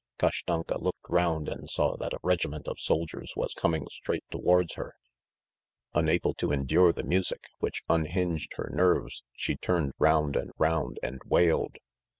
Kashtanka looked round and saw that a regiment of soldiers was coming straight towards her. Unable to endure the music, which unhinged her nerves, she turned round and round and wailed.